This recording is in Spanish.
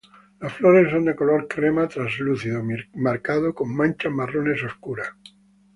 Las flores son de color crema translúcido marcado con manchas marrones oscuras.